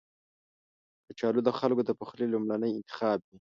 کچالو د خلکو د پخلي لومړنی انتخاب وي